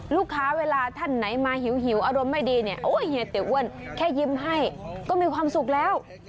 เวลาท่านไหนมาหิวอารมณ์ไม่ดีเนี่ยโอ้ยเฮียติอ้วนแค่ยิ้มให้ก็มีความสุขแล้ว